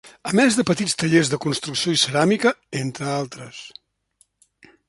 A més de petits tallers de construcció i ceràmica, entre altres.